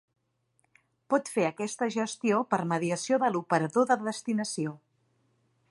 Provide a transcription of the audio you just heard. Pot fer aquesta gestió per mediació de l'operador de destinació.